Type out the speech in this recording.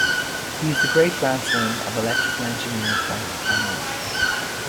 He is the great-grandson of electrical engineer Frank Conrad.